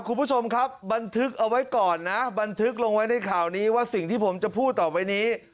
คุณผู้ชมครับบันทึกเอาไว้ก่อนนะบันทึกลงไว้ในข่าวนี้ว่าสิ่งที่ผมจะพูดต่อไปนี้